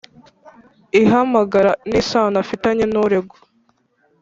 ihamagara nisano afitanye nuregwa